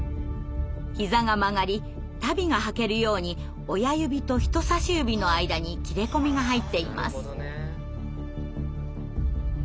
膝が曲がり足袋が履けるように親指と人さし指の間に切れ込みが入っています。